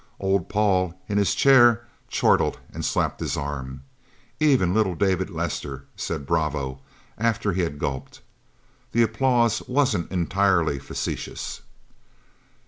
Old Paul, in his chair, chortled, and slapped his arm. Even little David Lester said "Bravo!" after he had gulped. The applause wasn't entirely facetious.